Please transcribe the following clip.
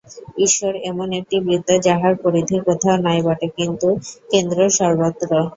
ঈশ্বর এমন একটি বৃত্ত, যাহার পরিধি কোথাও নাই বটে, কিন্তু কেন্দ্র সর্বত্র।